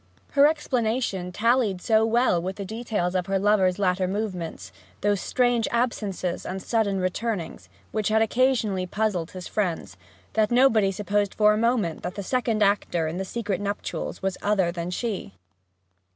Her explanation tallied so well with the details of her lover's latter movements those strange absences and sudden returnings, which had occasionally puzzled his friends that nobody supposed for a moment that the second actor in these secret nuptials was other than she.